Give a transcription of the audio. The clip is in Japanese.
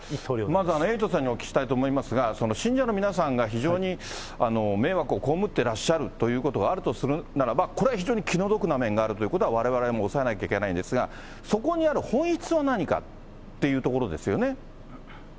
まずは、エイトさんにお聞きしたいと思いますが、信者の皆さんが非常に迷惑をこうむってらっしゃるということがあるとするならば、これは非常に気の毒な面もあるということは、われわれも押さえなきゃいけないんですが、そこにある本質は何かというところですよね。